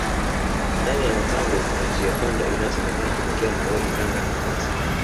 ndani ya mapango Kuna njia panda inayosemekana kutokea maweni tanga na mombasa